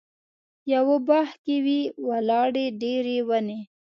یوه باغ کې وې ولاړې ډېرې ونې.